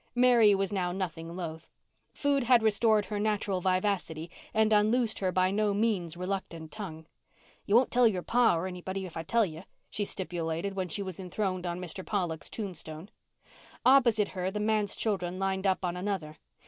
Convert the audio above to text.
Mary was now nothing loath. Food had restored her natural vivacity and unloosed her by no means reluctant tongue. "You won't tell your pa or anybody if I tell you?" she stipulated, when she was enthroned on Mr. Pollock's tombstone. Opposite her the manse children lined up on another.